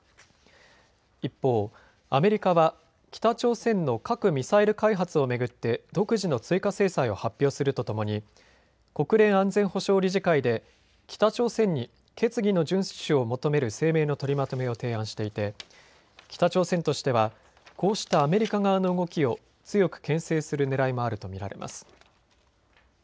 一方、アメリカは北朝鮮の核・ミサイル開発を巡って独自の追加制裁を発表するとともに国連安全保障理事会で北朝鮮に決議の順守を求める声明の取りまとめを提案していて北朝鮮としてはこうしたアメリカ側の動きを強くけん制するねらいもあると見られます。